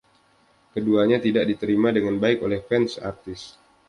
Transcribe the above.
Keduanya tidak diterima dengan baik oleh fans artis.